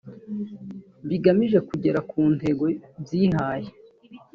bigamije kugera ku ntego byihaye